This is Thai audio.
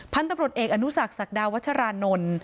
พันธุ์ตำรวจเอกอนุสักศักดาวัชรานนท์